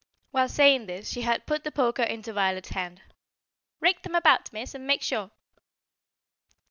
While saying this, she had put the poker into Violet's hand. "Rake them about, Miss, and make sure."